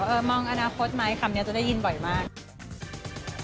มองอนาคตไหมคำนี้จะได้ยินบ่อยมาก